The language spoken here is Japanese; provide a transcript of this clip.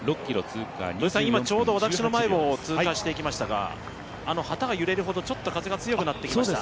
ちょうど今、私の前を通過しましたが旗が揺れるほど風が強くなってきました。